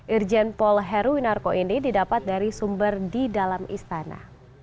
irjen paul heruwinarko ini didapat dari sumber di dalam istana